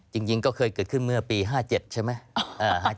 จริงก็เคยเกิดขึ้นเมื่อปี๕๗ใช่ไหม